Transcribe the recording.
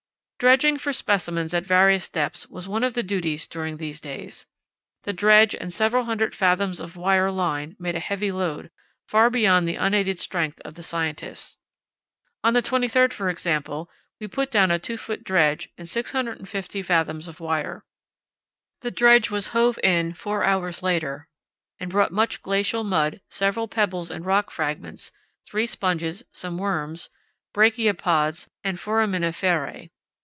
Dredging for specimens at various depths was one of the duties during these days. The dredge and several hundred fathoms of wire line made a heavy load, far beyond the unaided strength of the scientists. On the 23rd, for example, we put down a 2 ft. dredge and 650 fathoms of wire. The dredge was hove in four hours later and brought much glacial mud, several pebbles and rock fragments, three sponges, some worms, brachiapods, and foraminiferæ.